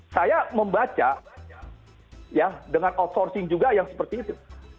saya membaca ya dengan outsourcing juga yang seperti itu